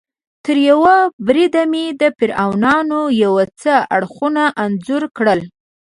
تریوه بریده مې د فرعونیانو یو څه اړخونه انځور کړل.